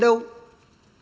tôi không đồng tình